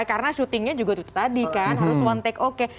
karena syutingnya juga tuh tadi kan harus one take oke